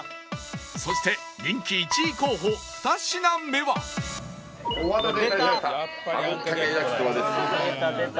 そして人気１位候補２品目は出た出た。